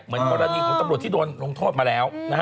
เหมือนกรณีของตำรวจที่โดนลงโทษมาแล้วนะฮะ